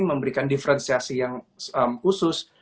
memberikan diferensiasi yang khusus